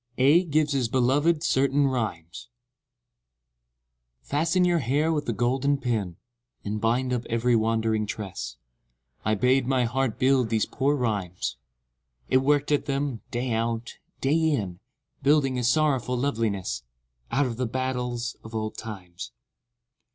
29 AEDH GIVES HIS BELOVED CERTAIN RHYMES Fasten your hair with a golden pin, And bind up every wandering tress; I bade my heart build these poor rhymes : It worked at them, day out, day in, Building a sorrowful loveliness Out of the battles of old times.